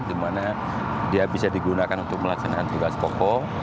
dimana dia bisa digunakan untuk melaksanakan tugas pokok